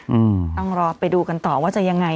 อืมต้องรอไปดูกันต่อว่าจะยังไง